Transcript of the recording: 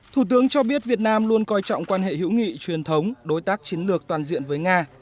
thủ tướng cho biết việt nam luôn coi trọng quan hệ hữu nghị truyền thống đối tác chiến lược toàn diện với nga